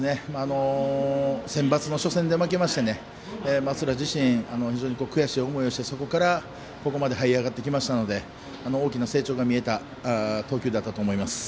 センバツの初戦で負けましてすごく悔しい思いをしてそこからはい上がってきましたので大きな成長が見えた投球だったと思います。